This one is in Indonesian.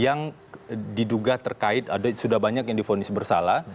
yang diduga terkait ada sudah banyak yang difonis bersalah